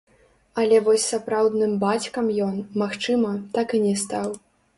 Але вось сапраўдным бацькам ён, магчыма, так і не стаў.